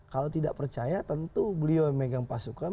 kalau tidak percaya tentu beliau yang megang pasukan